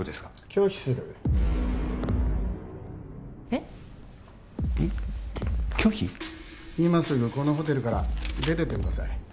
今すぐこのホテルから出てってください。